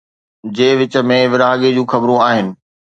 جي وچ ۾ ورهاڱي جون خبرون آهن